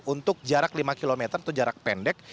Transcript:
untuk jarak lima km atau jarak pendek